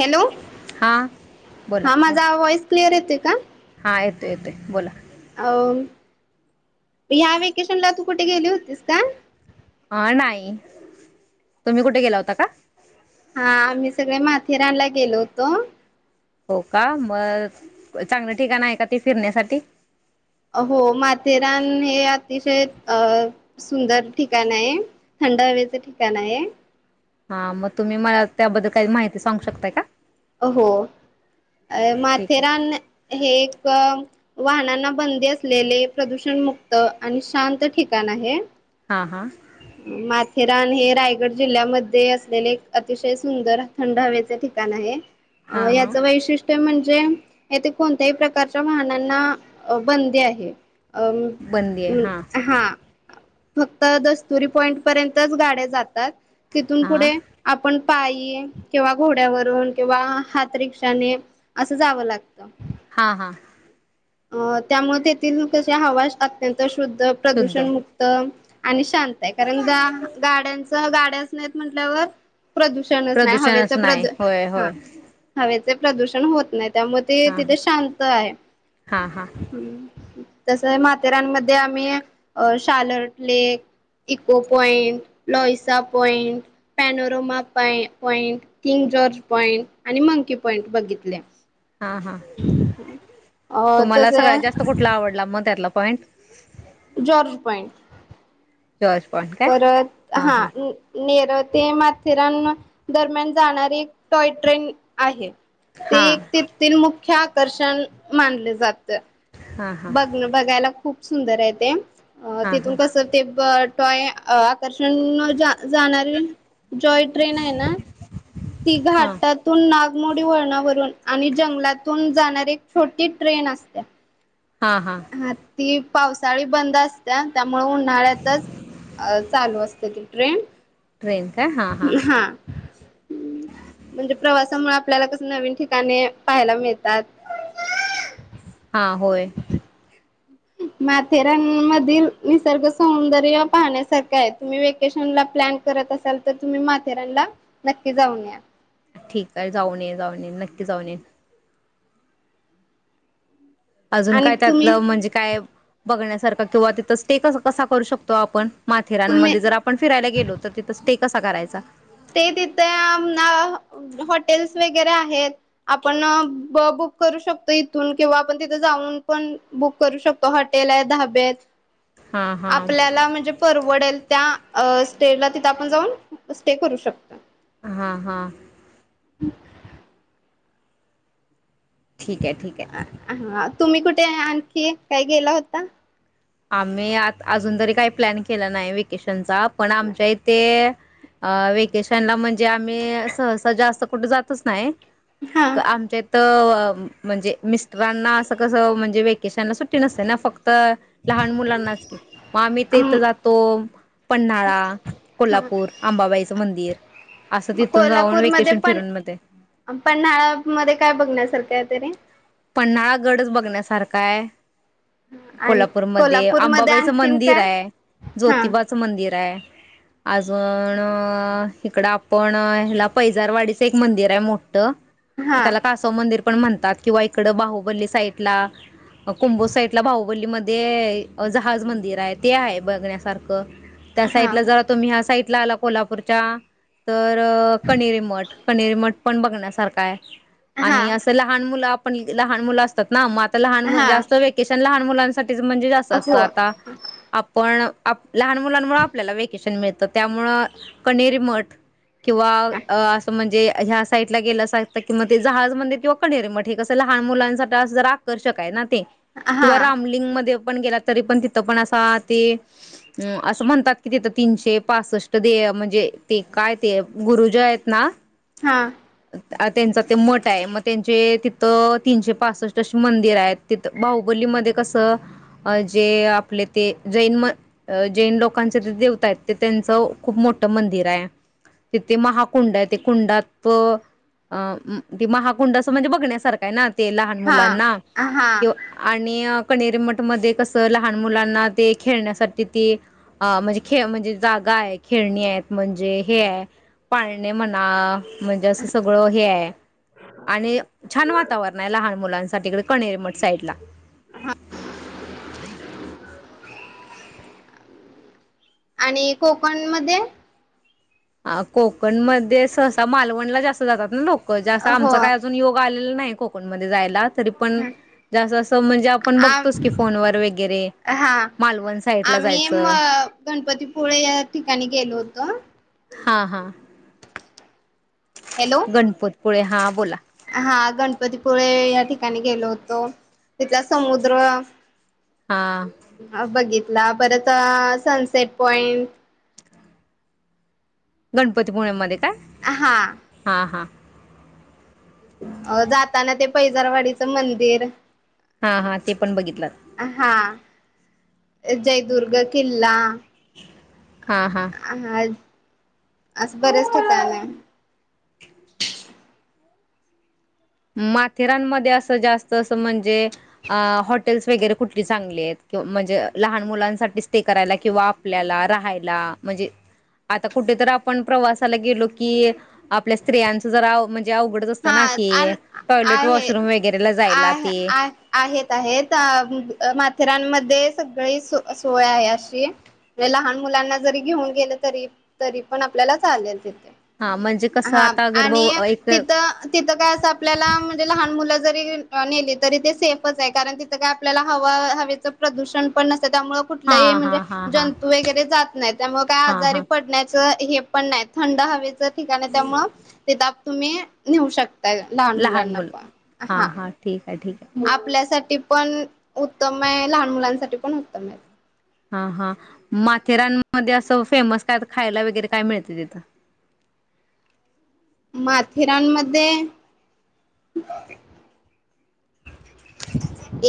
Hello हां बोला हा माझा वॉइस क्लिअर येते का हा येतो येतोय बोला अ ह्या व्हेकेशनला तू कुठे गेली होतीस का अ नाही तुम्ही कुठे गेला होता का हा आम्ही सगळे माथेरानला गेलो होतो हो का मग चांगल ठिकाण आहे का ते फिरण्यासाठी हो माथेरान हे अतिशय अ सुंदर ठिकाण आहे थंड हवेच ठिकाण आहे हा मग तुम्ही मला त्याबद्दल काही माहिती सांगू शकताय का हो अ ठीक आहे ठीक माथेरान हे एक अ वाहनांना बंदी असलेले, प्रदूषण मुक्त आणि शांत ठिकाण आहे. हां हां माथेरान हे रायगड जिल्ह्यामध्ये असलेले एक अतिशय सुंदर थंड हवेचे ठिकाण आहे. अ हां हां याच वैशिष्ट्य म्हण येथे कोणत्याही प्रकारच्या वाहनांना बंदी आहे. बंदी आहे हां हा. फक्त दस्तुरी पॉईंट पर्यंतच गाड्या जातात. तिथून हां पुढे आपण पायी किंवा घोड्यावरून किंवा हात रिक्षाने अस जाव लागत. हा हा अ त्यामुळ तेथील कशी हवा अत्यंत शुद्ध शुद्ध प्रदूषण मुक्त आणि चालतय करेंता गाड्यांचं गा. गाड्याच नाहीत म्हटल्यावर प्रदूषणच नाय हवेच प्रदूषणच नाही प्रदू होय हा होय हवे प्रदूषण होत नाही. त्यामुळे ते हां तिथे शांत आहे. हां हां [unintelligible] तस माथेरानमध्ये आम्ही अ Charlotte lake echo point Louisa point panorama point king George point आणि मंकी पॉइंट बघितले. हा हा अ तुम्हाला तसे सगळ्यात जास्त कुठला आवडला म त्यातला point George point George point काय परत हां हा हां नेरत ते माथेरान दरम्यान जाणारी एक टॉय ट्रेन आहे. ते हां एक ते मुख्य आकर्षण मानल जात. हां हां बघण बघायला खूप सुंदर आहे ते. अ हां तिथून हां कसं ते ब तोय आकर्षण जाणारे जॉय ट्रेन आहे ना ती हां घाटातून नागमोडी वळणावरून आणि जंगलातून जाणार एक छोटी ट्रेन असते. हां हां ह ती पावसाळी बंद असत्या त्यामुळ उन्हाळ्यातच अ चालू असते ती ट्रेन ट्रेन काय हां हां हा म्हणजे प्रवासामुळ आपल्याला कस नवीन ठिकाणे पाहायला मिळतात. हा होय. माथेरान मधील निसर्ग सौंदर्य पाहण्यासारखं आहे तुम्ही वेकेशन ला प्लॅन करत असाल तर तुम्ही माथेरानला नक्की जाऊन या. ठीक आहे. जाऊन येईन जाऊन येईन नक्की जाऊन येईन अजून आणि काय तुम्ही त्यातलं म्हणजे काय? बघण्यासारखा किंवा तिथं स्टे क कसा करू शकतो आपण तुम्ही माथेरानमध्ये जर आपण फिरायला गेलो तर तिथं स्टे कसा करायचा. ते तिथे ना हॉटेल्स वगैरे आहेत. आपण ब बुक करू शकतो इथून किंवा आपण तिथ जाऊन पण बुक करू शकतो हॉटेल आहेत धाबे आहेत. हां हां आपल्याला म्हणजे परवडेल त्या अ स्टेला तिथं आपण जाऊन ते करू शकता. हा हा [inaudible] ठीकये ठीकये. हा तुम्ही कुठे आणखी काही गेला होता आम्ही आ अजून तरी काय प्लॅन केला नाय व्हेकेशनचा पण आमच्या इथे अ वेकेशनला म्हण जे आम्ही सहसा जास् कुठ जातच नाही. हा आमच्या त म्हणजे मिस्ट रांना असं कसं म्हणजे वे केिशांना सुट्टी नसत ना फक्त लहान मुलांनाच की म आम्ही ते अम इथं जातो. पन्हाळा कोल्हापूर आंबाबाई च मंदिर असं म तिथून जाऊन कोल्हापूरमध्ये वेकेशन पण फिरून मध्ये पन्हाळा मध्ये काय बघण्यासारखं आहे. [inaudible] पन्हाळा गडच बघण्यासारखाय आणि कोल्हापूरमध्ये अंबाबाईचं आणखीन मंदिर काय? हाय हा जोतीबाच मंदिर हाय. अजून अ इकड आपण हेला पैजारवाडीचं एक मंदिर आहे मोठ तिथं हा त्याला कासव मंदिर पण म्हणतात किंवा इकड बाहुबली साईडला कुंभोज साईडला बाहुबली मध्ये जहाज मंदिर आहे ते आहे बघण्यासारखं त्या साईड हा ला जरा तुम्ही ह्या साईट ला आला कोल्हापूरच्या तर कनेरीमठ कनेरी मठ पण बघण्यासारखा आहे हा आणि असं लहान मुलं आप पण लहान मुलं असतात ना म लहान मूल हा जास्त वेकेशन लहान मुलांसाठी तिज म्हणजे अस हो. असत आपण आप लहान मुलांमूळ आपल्याला वेकेशन मिळतं त्यामुळं कनेरीमठ किंवा अ असं म्हणजे ह्या साईड ला गेला सा किं ते जहाज मंदिर किंवा कनेरी मठ हे कस लहान मुलांसाठी असं जरा आकर्षक आहे ना हे हा किंवा रामलिंग मध्ये आपण गेला तरी पण तिथं पण असा ते अ असं म्हणतात कि तिथं तीनशे पासष्ट देव म्हणजे ते काय ते गुरुजी आहेत ना हा त्यांचा ते मठ आहे मग त्यांचे तिथे तीनशे पासष्ट अशी मंदिर आहेत. तिथ बाहुबली मध्ये कसं जे आपले ते जैन म जैन लोकांचे, ते तिथं तिथं तीनशे पासष्ट अशी मंदिर आहेत. तिथं बा हुबलीमध्ये कसं जे आपले ते जैन लोकांचे ज्या देवता आहेत. ते त्यांच खूप मोठ मंदिर आहे तिथे महाकुंड आहे, ते कुंडात ते महाकुंड असं म्हणजे बघण्यास सार का आहे ना [unintelligible] ते लहान मुलांना हा हा किंवा आणि अ कनेरीमठ मध्ये कसं लहान मुलांना ते खेळण्यासाठी ती अ म्हणजे खेळ म्हणजे जागा आहे खेळणी आहेत म्हणजे हे हाय पाळणे म्हणा म्हणजे असं सगळं हे आहे आणि अ छान वातावरण आहे लहान मुलांसाठी इकडे कनेरीमठ साईड ला [inaudible] आणि कोकण मध्ये ह कोकणमध्ये सहसा मालवणला जास्त जातात ना लोक व्हय जास्त हो आमचं काय अजून योग आलेलं नाही कोकणमध्ये जायला तरी पण जा असं म्हणजे आपण आ बघतोस की फोन वर वगैरे हा मालवण साईड ला आम्ही म जायचं गणपतीपुळे या ठिकाणी गेलो होतो. हा हा हॅलो गणपत पुळे हां बोला हा गणपतीपुळे या ठिकाणी गेलो होतो तिथला समुद्र हा [unintelligible] हा बघित ला परत सनसेट पॉइंट गणपतीपूळेमध्ये काय?? हा हा हा अ जाताना ते पैजारवाडीचं मंदिर हा हा ते पण बघितलं हा जय दुर्ग किल्ला हा असं बरेच ठिकाण माथेरानमध्ये असं जास्त असं म्हणजे अ हॉटेल्स वगैरे कुठली चांगलेत कि म्हणजे लहान मुलांसाठी स्टे करायला किंवा आपल्याला राहायला म्हणजे आता कुठेतर आपण प्रवासाला गेलो की आपल्या स्त्रियांच जरा आव म्हण जे अवघडंच असतं ना हा की आन आहे वॉशरूम वगैरेला जायला आहे ते आ आहेत आहेत अ म माथेरान मध्ये सगळी सोय आहे अशी म्हण लहान मुलांना जरी घेऊन गेले तरी तरी पण आपल्याला चालेल तीथ हा म्हणजे कसं आता गरब इथ तिथं काय असं आपल्याला म्हणजे लहान मुलं जरी नेले तरी ते सेफच आहे कारण तिथं काय आपल्याला हवा हवेचं प्रदूषण पण नसत त्यामुळे हा कुठलही हा म्हणजे हा हा जंतू वगैरे जात नाहीत त्यामुळं काय हा आजारी हा पडण्याच हे पण नाही थंड हवेच ठिकाण आहे त्यामुळ तीथ तुम्ही न्हेऊ शकता त्या लहान मुलांना पण हा ठीक आहे ठीक आहे आपल्यासाठी पण उत्तम आहे लहान मुलांसाठी पण उत्तम आहे हा हा माथेरानमध्ये असं फेमस काय खायला वगैरे काय मिळतय तीथ माथेरानमध्ये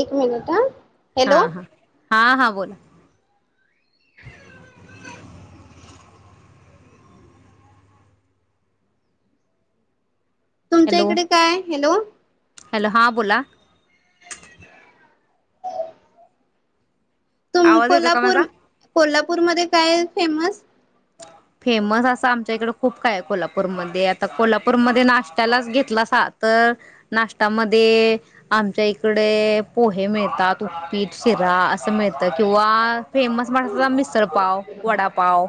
एक मिनिट ह हा हा हा हा बोला तुमच्या हॅलो इकडे काय हॅलो हॅलो हां बोला तुम आवाज येतो का कोल्हापूर माझा कोल्हापूरमध्ये काय फेमस फेमस असं आमच्या इकडे खूप काय आहे कोल्हापूरमध्येध्ये आता कोल्हापूरमध्येध्ये नाश्त्यालाच घेतला सा तर नाश्त्यामध्ये आमच्या इकडे पोहे मिळतात उपीट शिरा असं मिळत किंवा फेमस म्हण मिसळपाव वडापाव.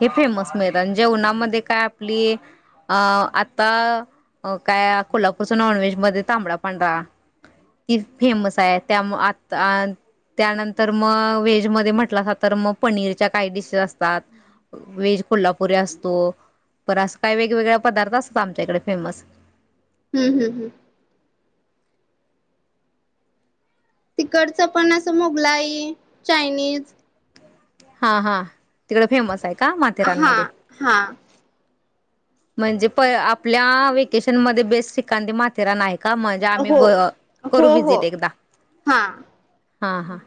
हे फेमस मिळत जेवणामध्ये काय आपली अ आता काय कोल्हापूरचा नॉन व्हेज मध्ये तांबडा पांढरा ती फेमस आहे त्या आ त्यानंतर मग व्हेज मध्ये म्हटलं अस तर मग पनीरच्या काही डिशेस असत वेज कोल्हापुरी असतो प असं काही वेगवेगळ पदार्थ असतात आमच्या इकडे फेमस हम्म हम्म हम्म तिकडचं पण असं मुगलाई चायनीज हा हा तिकड फेमस आहेत हा हा म्हणजे प आपल्या वेकेशन मध्ये बेस्ट ठिकाण माथेरानं आहे. का म ज्या आम्ही हो ब हो करू हो विजिट एकदा हा हां हां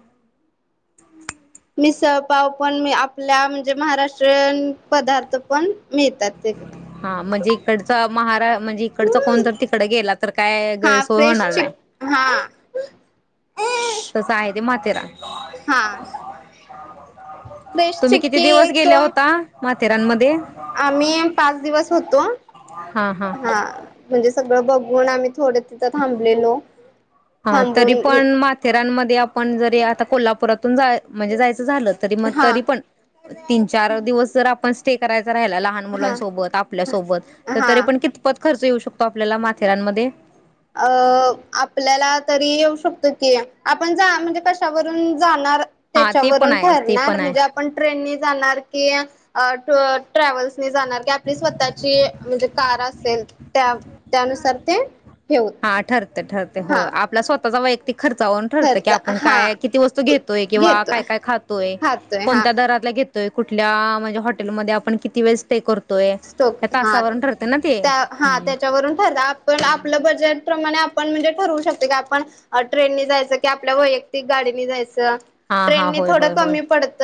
मिसळपाव पण मी आपल्या म्हणजे महाराष्ट्रीयन पदार्थ पण मिळतात तिकडे हा म्हणजे इकडचा महारा म्हणजे इकडचा कोण तर तिकडे गेला तर काय हा गैरसोय फ्रेश होणार चिक नाय. हा तस आहे ते माथेरानं हा फ्रेश तुम्ही किती चिक्की दिवस एक गेल्या होता. माथेरानमध्ये आम्ही पाच दिवस होतो. हा म्हणजे सग ब बघून आम्ही थोडे तिथं थांबलेलो हा तरी थांबून पण माथेरानमध्ये आपण जरी आता कोल्हापरातून जाय म्हणजे जायच झाल तरी म हा तरी पण तीन चार दिवस जर आपण स्टे करायच करायला लहान हा मुलांन सोबत आपल्या सोबत त हा तरी पण कितपत खर्च येऊ शकतो आपल्याला माथेरानमध्ये अ आपल्याला तरी येऊ शकतो की आपण जा म्हणजे कशावरून जाणार हा ते पण त्याच्यावरून आहे ते ठरणार पण आहे म्हणजे आपण ट्रेननी जाणार की, अ ट ट्रॅवल्सने जाणार की आपली स्वतःची म्हणजे कार असेल त्या त्यानुसार ते ठेवून हा ठर ते ठरते हो हा आपला स्वत तसा वैयक्तिक खर्चावरून ठरत की खर्च आपण हा काय किती वस्तू घेतोय किंवा काय घेतोय काय खातोय खातोय हा कोणत्या दरातल्या घेतो कुठल्या म्हणजे हॉटेलमध्ये आपण किती वेळ स्टे कर स्टोक हा त्या हा त्याच्यावरून ठरलं आपण आपलं बजेट प्रमाणे आपण म्हणजे ठरवू शकत की आपण ट्रेन नी जायचं की आपल्या वैयक्तिक गाडीनी जायचं हा हा ट्रेननी होय थोड होय होय कमी पडत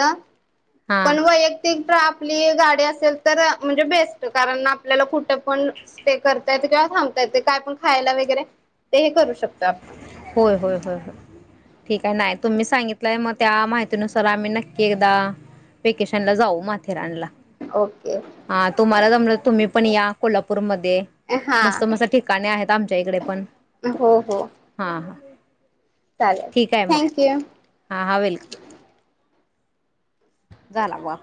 हा पण वैयक्तिक आपली गाडी असेल तर म्हणजे बेस्ट कारण आपल्याला कुठं पण स्टे करता येतो की थांबता येते काय पण खायला वगैरे ते हे करू शक होय होय होय हो ठीक आहे ना तुम्ही सांगितलंय मग त्या माहितीनुसार आम्ही नक्की एकदा वेकेशन ला जाऊ माथेरानला ओके हा तुम्हाला जमलं तुम्ही पण या कोल्हापूरमध्ये हा मस्त मस्त ठिकाणे आहेत आमच्या इकडे पण हो हो हा ह चालेल थँक यू हां हां वेलकम झाला बा